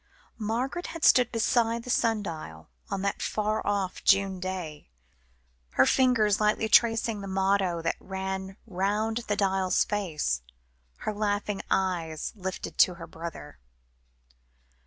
Margaret had stood beside the sun dial, on that far off June day, her fingers lightly tracing the motto that ran round the dial's face, her laughing eyes lifted to her brother.